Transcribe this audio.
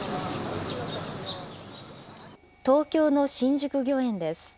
東京の新宿御苑です。